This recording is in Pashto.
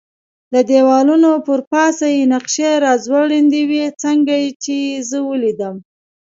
د دېوالونو پر پاسه یې نقشې را ځوړندې وې، څنګه چې یې زه ولیدلم.